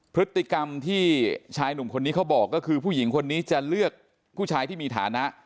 พฤติกรรมที่ชายหนุ่มคนนี้เขาบอกก็คือผู้หญิงคนนี้จะเลือกผู้ชายที่มีฐานะ